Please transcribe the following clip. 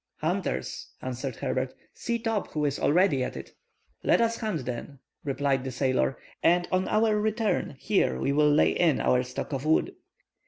"Hunters," answered Herbert. "See Top, who is already at it." "Let us hunt, then," replied the sailor, "and on our return here we will lay in our stock of wood."